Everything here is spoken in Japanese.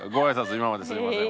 今まですいません。